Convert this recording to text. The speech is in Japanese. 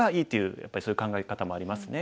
やっぱりそういう考え方もありますね。